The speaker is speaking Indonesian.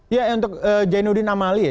ya untuk jainuddin amali ya